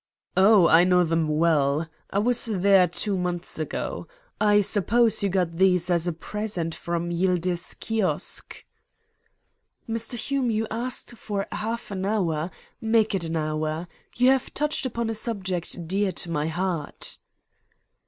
"Oh, I know them well. I was there two months ago. I suppose you got these as a present from Yildiz Kiosk?" "Mr. Hume, you asked for half an hour, Make it an hour. You have touched upon a subject dear to my heart."